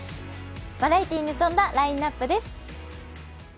バラエティーに富んだラインナップです。